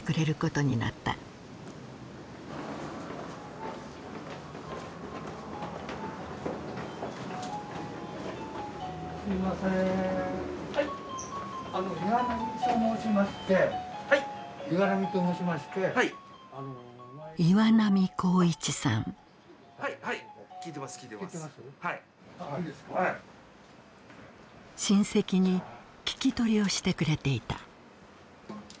親戚に聞き取りをしてくれていた。